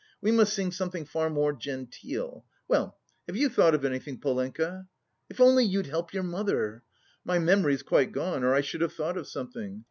We must sing something far more genteel.... Well, have you thought of anything, Polenka? If only you'd help your mother! My memory's quite gone, or I should have thought of something.